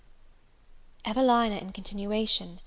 EVELINA IN CONTINUATION.